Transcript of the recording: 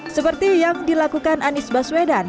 seperti yang dilakukan anies baswedan